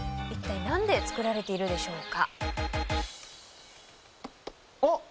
いったい何で作られているでしょうか。